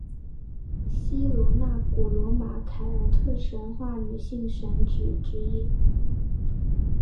希罗纳古罗马凯尔特神话女性神只之一。